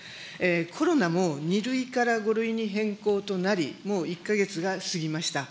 コロナも２類から５類に変更となり、もう１か月が過ぎました。